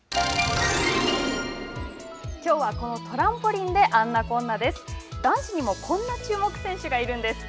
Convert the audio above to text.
きょうはこのトランポリンで「あんなこんな」です。